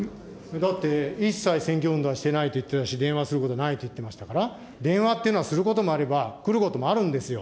だって、一切選挙運動はしてないと言ってたし、電話することないって言ってましたから、電話っていうのは、することもあれば来ることもあるんですよ。